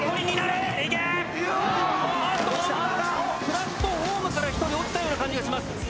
プラットホームから人が落ちたような感じがします。